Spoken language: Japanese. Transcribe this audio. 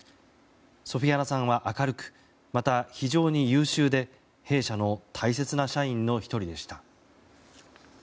ソフィアナさんは明るくまた非常に優秀で弊社の大切な社員の１人でした。